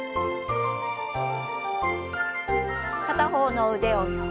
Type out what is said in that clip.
片方の腕を横。